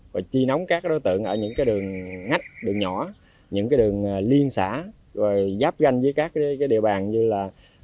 và chi nóng các đối tượng ở những đường ngách đường nhỏ những đường liên xã giáp ganh với các địa bàn như là